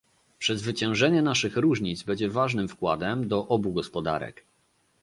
Przezwyciężenie naszych różnic będzie ważnym wkładem do obu gospodarek